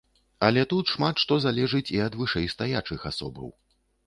Але тут шмат што залежыць і ад вышэйстаячых асобаў.